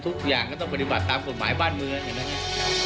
ทุกอย่างก็ต้องบริบัติตามกฎหมายบ้านมือนะฮะ